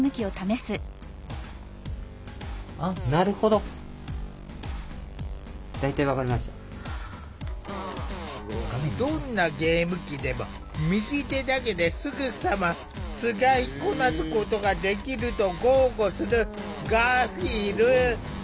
どんなゲーム機でも右手だけですぐさま使いこなすことができると豪語するガーフィール。